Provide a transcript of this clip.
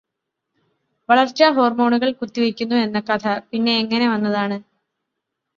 വളർച്ചാ ഹോർമോണുകൾ കുത്തിവെക്കുന്നു എന്ന കഥ പിന്നെ എങ്ങനെ വന്നതാണ്?